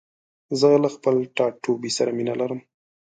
زه له خپل ټاټوبي سره مينه لرم.